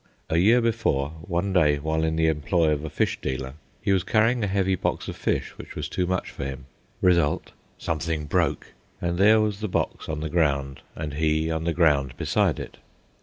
A year before, one day, while in the employ of a fish dealer, he was carrying a heavy box of fish which was too much for him. Result: "something broke," and there was the box on the ground, and he on the ground beside it.